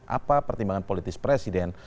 apa pertimbangan politis presiden